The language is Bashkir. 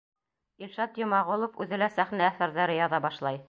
Илшат Йомағолов үҙе лә сәхнә әҫәрҙәре яҙа башлай.